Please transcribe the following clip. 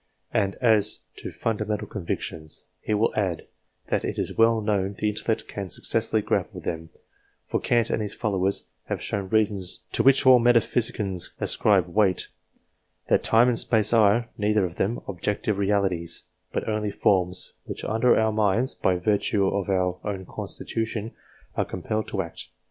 And as to fundamental convictions, he will add, that it is well known the intellect can successfully grapple with them, for Kant and his followers have shown reasons to which all metaphysicians ascribe weight that Time and Space are, neither of them, objective realities, but only forms, under which our minds, by virtue of their own constitution, are compelled to act.